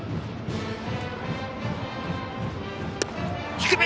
低め！